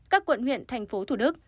các quận huyện thành phố thủ đức